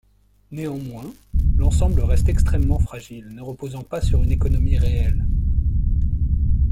Néanmoins, l'ensemble reste extrêmement fragile, ne reposant pas sur une économie réelle.